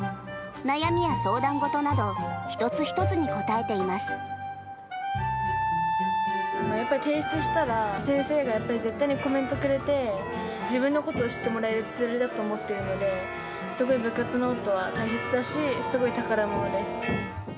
悩みや相談事など、やっぱり提出したら、先生がやっぱり絶対にコメントくれて、自分のことを知ってもらえるツールだと思っているので、すごい部活ノートは大切だし、すごい宝物です。